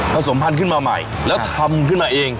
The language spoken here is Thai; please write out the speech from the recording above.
สมพันธุ์ขึ้นมาใหม่แล้วทำขึ้นมาเอง